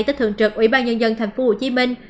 tới thường trực ủy ban nhân dân thành phố hồ chí minh